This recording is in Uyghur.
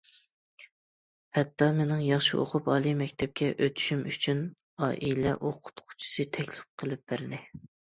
ھەتتا، مېنىڭ ياخشى ئوقۇپ ئالىي مەكتەپكە ئۆتۈشۈم ئۈچۈن ئائىلە ئوقۇتقۇچىسى تەكلىپ قىلىپ بەردى.